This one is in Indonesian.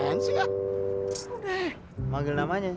udah manggil namanya